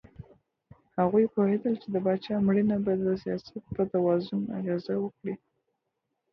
هغوی پوهیدل چې د پاچا مړینه به د سیاست په توازن اغیزه وکړي.